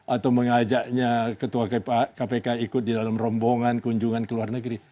atau mengajaknya ketua kpk ikut di dalam rombongan kunjungan ke luar negeri